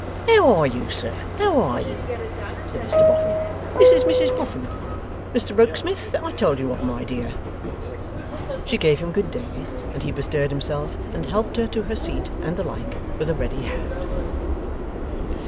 'How are you, sir, how are you?' said Mr Boffin. 'This is Mrs Boffin. Mr Rokesmith, that I told you of; my dear.' She gave him good day, and he bestirred himself and helped her to her seat, and the like, with a ready hand.